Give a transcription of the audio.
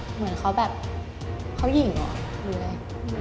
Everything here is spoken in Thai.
เหมือนเขาแบบเขาหญิงเหรออยู่เลย